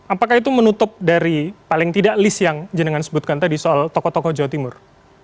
apakah itu menutup dari paling tidak list yang jenengan sebutkan tadi soal tokoh tokoh jawa timur